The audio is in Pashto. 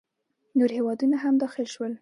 نور هیوادونه هم داخل شول.